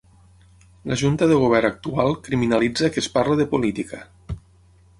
La junta de govern actual criminalitza que es parli de política.